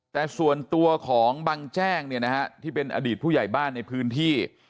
แต่ส่วนตัวของบังแจ้งเนี่ยนะฮะที่เป็นอดีตผู้ใหญ่บ้านในพื้นที่